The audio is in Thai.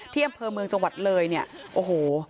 อำเภอเมืองจังหวัดเลยเนี่ยโอ้โห